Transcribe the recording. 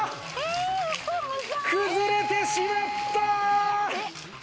崩れてしまった！